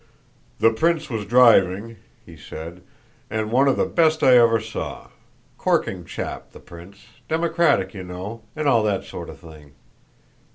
"The prince was driving," he said, "and one of the best I ever saw. Corking chap, the prince; democratic, you know, and all that sort of thing.